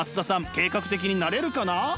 計画的になれるかな？